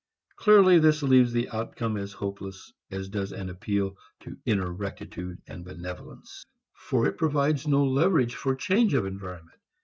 Clearly this leaves the outcome as hopeless as does an appeal to an inner rectitude and benevolence. For it provides no leverage for change of environment.